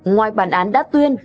ngoài bản án đã tuyên